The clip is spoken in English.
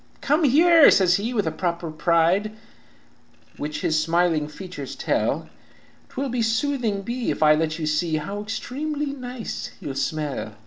"'Come here,' says he, with a proper pride, Which his smiling features tell, ' 'Twill soothing be if I let you see, How extremely nice you'll smell.'